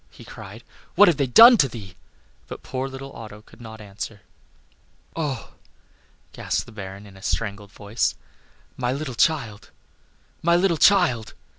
he cried; "what have they done to thee?" But poor little Otto could not answer. "Oh!" gasped the Baron, in a strangled voice, "my little child! my little child!"